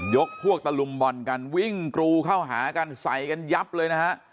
พวกตะลุมบอลกันวิ่งกรูเข้าหากันใส่กันยับเลยนะฮะ